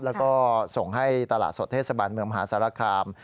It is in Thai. แล้วก็ส่งให้ตลาดสดเทศบาลเมืองมหาสารคาม